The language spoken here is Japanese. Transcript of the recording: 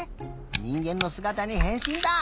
にんげんのすがたにへんしんだ！